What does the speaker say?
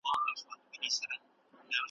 پر ښار به تر قیامته حسیني کربلا نه وي ,